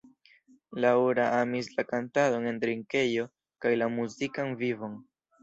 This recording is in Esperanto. Laura amis la kantadon en drinkejo kaj la muzikan vivon.